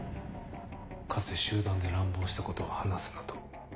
かつて集団で乱暴したことを話すなと。